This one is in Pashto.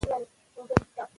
مبارکي